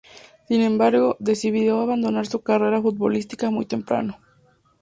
Sin embargo, decidió abandonar su carrera futbolística muy temprano.